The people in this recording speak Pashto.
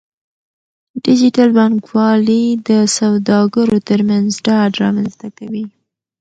ډیجیټل بانکوالي د سوداګرو ترمنځ ډاډ رامنځته کوي.